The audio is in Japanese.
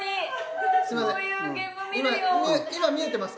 今今見えてます